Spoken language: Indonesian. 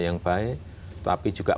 yang baik tapi juga